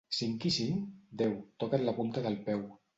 Cinc i cinc? —Deu. —Toca't la punta del peu.